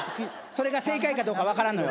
それが正解かどうか分からんのよ。